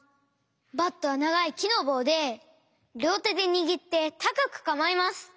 バットはながいきのぼうでりょうてでにぎってたかくかまえます。